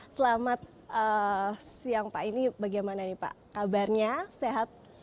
selamat siang pak ini bagaimana nih pak kabarnya sehat